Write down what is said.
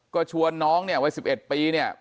ก็ชวนน้องเนี่ยวัย๑๑ปีเนี่ย